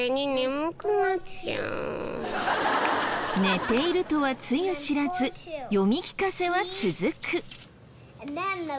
寝ているとはつゆ知らず読み聞かせは続く。